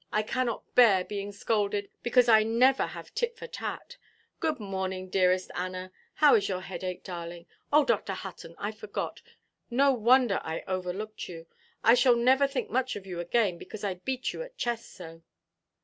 I cannot bear being scolded, because I never have tit for tat. Good morning, dearest Anna; how is your headache, darling? Oh, Dr. Hutton, I forgot! No wonder I overlooked you. I shall never think much of you again, because I beat you at chess so."